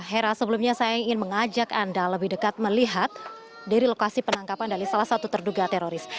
hera sebelumnya saya ingin mengajak anda lebih dekat melihat dari lokasi penangkapan dari salah satu terduga teroris